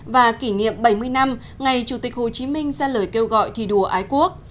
và kỷ niệm bảy mươi năm ngày chủ tịch hồ chí minh ra lời kêu gọi thi đua ái quốc